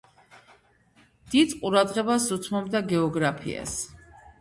დიდ ყურადღებას უთმობდა გეოგრაფიას.